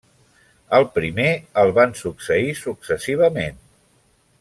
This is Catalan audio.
El primer el van succeir successivament.